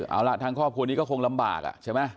เอาล่ะทางครอบครัวนี้ก็คงลำบากใช่ไหม